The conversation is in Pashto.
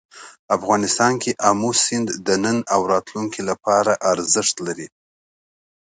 افغانستان کې آمو سیند د نن او راتلونکي لپاره ارزښت لري.